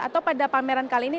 atau pada pameran kali ini